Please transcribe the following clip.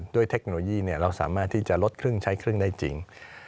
เทคโนโลยีเราสามารถที่จะลดครึ่งใช้ครึ่งได้จริง